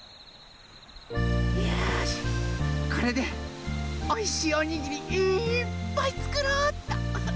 よしこれでおいしいおにぎりいっぱいつくろうっと。